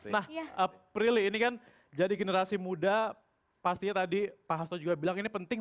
nah prilly ini kan jadi generasi muda pastinya tadi pak hasto juga bilang ini penting